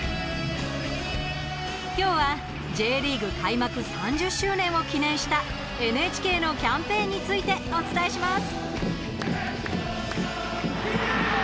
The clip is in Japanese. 今日はＪリーグ開幕３０周年を記念したＮＨＫのキャンペーンについてお伝えします。